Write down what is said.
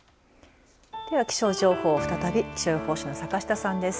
では気象情報、再び気象予報士の坂下さんです。